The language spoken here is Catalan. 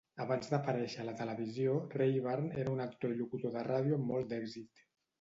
Abans d'aparèixer a la televisió, Rayburn era un actor i locutor de ràdio amb molt d'èxit.